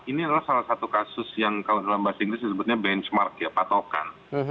ini adalah salah satu kasus yang kalau dalam bahasa inggris disebutnya benchmark ya patokan